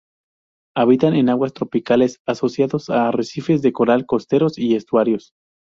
Habitan en aguas tropicales, asociados a arrecifes de coral costeros y estuarios.